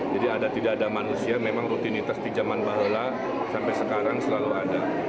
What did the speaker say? jadi tidak ada manusia memang rutinitas di zaman bahala sampai sekarang selalu ada